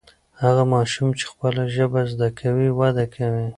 هغه ماشوم چې خپله ژبه زده کوي وده کوي.